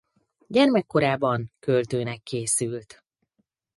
Gyermekkorában költőnek készült.